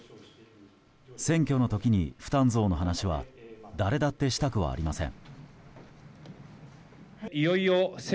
選挙の時に負担増の話は誰だってしたくありません。